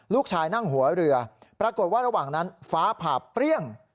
นั่งหัวเรือปรากฏว่าระหว่างนั้นฟ้าผ่าเปรี้ยง